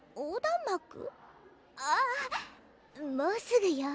あもうすぐよ！